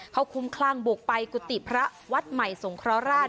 เขาคุ้มคลั่งบุกไปกุฏิพระวัดใหม่สงเคราะหราช